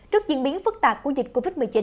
trước diễn biến phức tạp của dịch covid một mươi chín